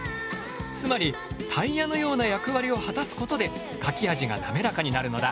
つまりタイヤのような役割を果たすことで書き味がなめらかになるのだ。